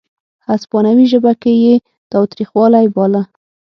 هسپانوي ژبه کې یې تاوتریخوالی باله.